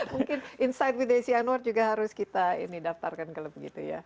mungkin inside with desi anwar juga harus kita daftarkan klub gitu ya